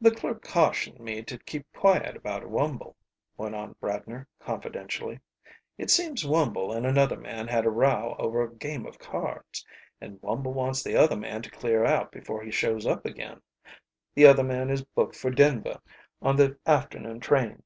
"The clerk cautioned me to keep quiet about Wumble," went on Bradner confidentially. "It seems Wumble and another man had a row over a game of cards, and Wumble wants the other man to clear out before he shows up again. The other man is booked for Denver on the afternoon train."